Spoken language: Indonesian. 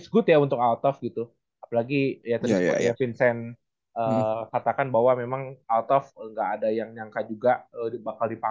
kayak arigi prasawa yuda